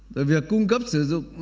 rồi việc cung cấp sử dụng